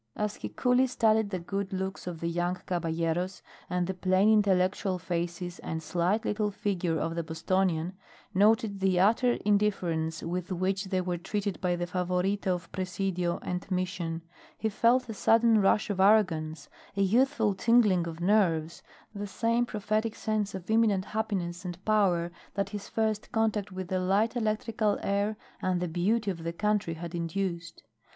As he coolly studied the good looks of the young caballeros and the plain intellectual face and slight little figure of the Bostonian, noted the utter indifference with which they were treated by the Favorita of Presidio and Mission, he felt a sudden rush of arrogance, a youthful tingling of nerves, the same prophetic sense of imminent happiness and power that his first contact with the light electrical air and the beauty of the country had induced.